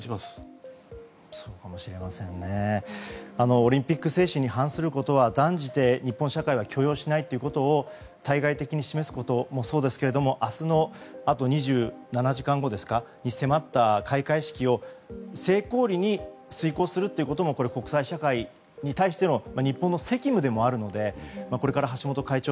オリンピック精神に反することは断じて日本社会は許容しないということを対外的に示すこともそうですけど明日の、あと２７時間後に迫った開会式を成功裏に遂行するということも国際社会に対しての日本の責務でもあるのでこれから橋本会長